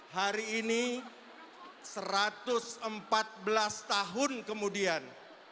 hari ini satu ratus empat belas tahun kemudian